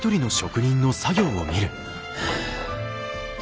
はあ。